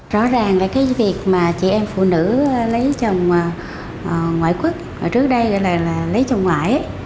rõ ràng là cái việc mà chị em phụ nữ lấy chồng ngoại quốc trước đây gọi là lấy chồng ngoại